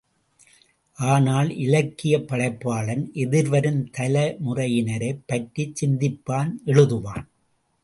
ஆனால் இலக்கியப் படைப்பாளன் எதிர்வரும் தலைமுறையினரைப் பற்றிச் சிந்திப்பான் எழுதுவான்.